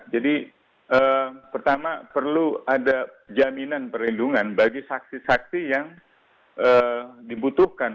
jadi pertama perlu ada jaminan perlindungan bagi saksi saksi yang dibutuhkan